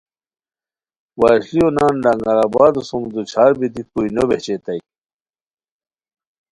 وشلیو نان لنگر آبادو سُم دوچھار بیتی کوئی نو بیچئیتائے